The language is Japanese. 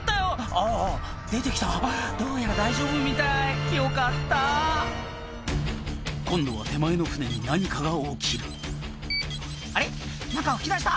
あぁ出てきたどうやら大丈夫みたいよかった今度は手前の船に何かが起きる「あれ？何か噴き出した」